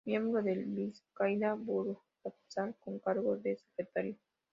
Miembro del Bizkaia Buru Batzar con cargo de secretario.